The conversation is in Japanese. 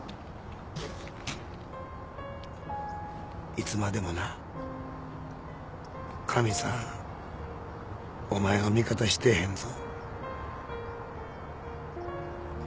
いつまでもな神さんお前の味方してへんぞ。